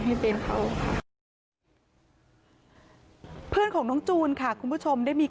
ให้เป็นเขาค่ะเพื่อนของน้องจูนค่ะคุณผู้ชมได้มี